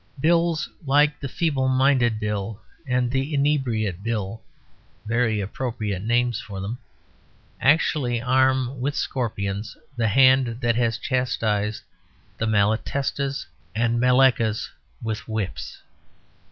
Bills like the Feeble Minded Bill and the Inebriate Bill (very appropriate names for them) actually arm with scorpions the hand that has chastised the Malatestas and Maleckas with whips.